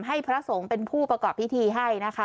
พระสงฆ์เป็นผู้ประกอบพิธีให้นะคะ